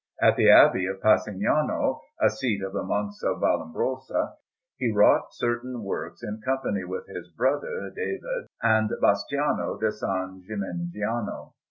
At the Abbey of Passignano, a seat of the Monks of Vallombrosa, he wrought certain works in company with his brother David and Bastiano da San Gimignano.